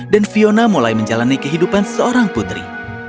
dan fiona mulai menjalani kehidupan seorang putri